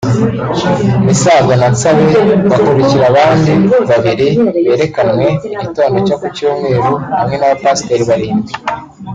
Misago na Nsabe bakurikira abandi babiri berekanwe mu gitondo cyo ku Cyumweru hamwe n’abapasiteri barindwi